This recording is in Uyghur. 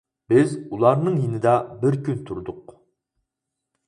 بىز ئۇلارنىڭ يېنىدا بىر كۈن تۇردۇق.